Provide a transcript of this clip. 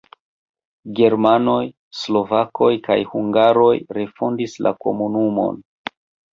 Germanoj, slovakoj kaj hungaroj refondis la komunumon.